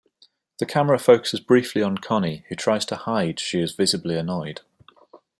The camera focuses briefly on Connie who tries to hide she is visibly annoyed.